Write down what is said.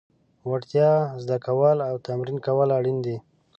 وړتیاوې زده کول او تمرین کول اړین دي.